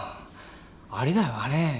あれだよあれ。